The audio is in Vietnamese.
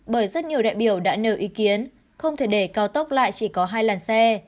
bởi rất nhiều đại biểu đã nêu ý kiến không thể để cao tốc lại chỉ có hai làn xe